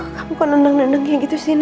kamu kok nendeng nendengnya gitu sih nih